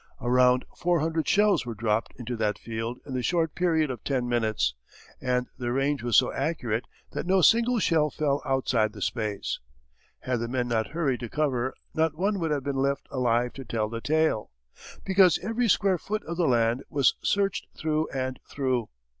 A round four hundred shells were dropped into that field in the short period of ten minutes, and the range was so accurate that no single shell fell outside the space. Had the men not hurried to cover not one would have been left alive to tell the tale, because every square foot of the land was searched through and through.